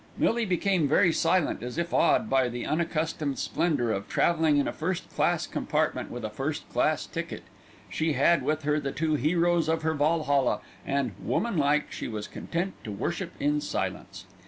Millie became very silent, as if awed by the unaccustomed splendour of travelling in a first class compartment with a first class ticket. She had with her the two heroes of her Valhalla and, woman like, she was content to worship in silence.